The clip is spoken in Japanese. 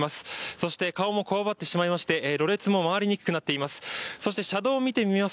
そして顔もこわばってしまいまして、ろれつも回りにくくなっています。